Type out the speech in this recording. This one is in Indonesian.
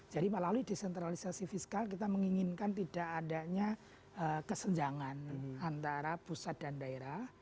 jadi melalui desentralisasi fiskal kita menginginkan tidak adanya kesenjangan antara pusat dan daerah